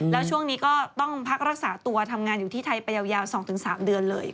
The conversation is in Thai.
แล้วช่วงนี้ก็ต้องพักรักษาตัวทำงานอยู่ที่ไทยไปยาว๒๓เดือนเลย